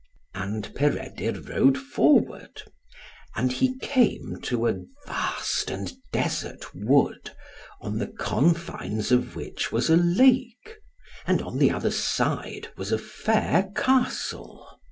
And Peredur rode forward. And he came to a vast and desert wood, on the confines of which was a lake. And on the other side was a fair castle.